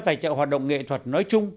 tài trợ hoạt động nghệ thuật nói chung